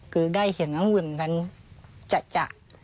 คือได้เห็นอังุ่นทัณฑิตาจะ